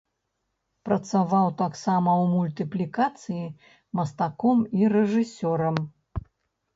Працаваў таксама ў мультыплікацыі мастаком і рэжысёрам.